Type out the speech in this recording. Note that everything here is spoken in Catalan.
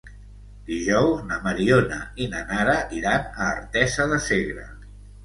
Dijous na Mariona i na Nara iran a Artesa de Segre.